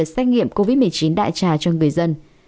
kiểm covid một mươi chín đại trà cho người dân